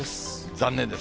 残念です。